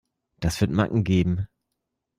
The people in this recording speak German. Das wird Macken geben.